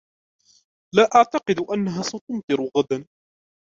لا أعتقد أنها ستمطر غدا.